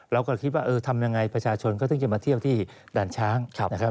เราก็คิดว่าทำยังไงประชาชนก็ต้องจะมาเที่ยวที่ด่านช้าง